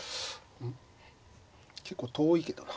結構遠いけど。